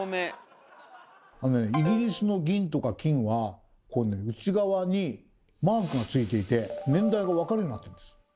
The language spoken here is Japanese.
イギリスの銀とか金は内側にマークがついていて年代が分かるようになってるんです。